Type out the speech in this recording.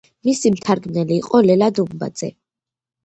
მისი მთარგმნელი იყო ლელა დუმბაძე.